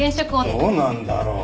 どうなんだろう。